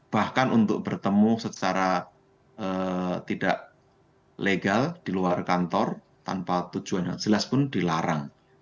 bahkan untuk bertemu secara tidak legal di luar kantor tanpa tujuan yang jelas pun dilarang